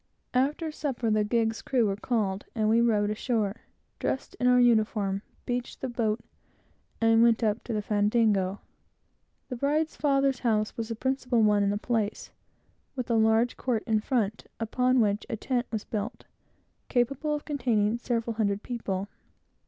After supper, the gig's crew were called, and we rowed ashore, dressed in our uniform, beached the boat, and went up to the fandango. The bride's father's house was the principal one in the place, with a large court in front, upon which a tent was built, capable of containing several hundred people.